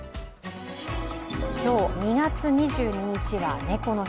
今日、２月２２日は猫の日。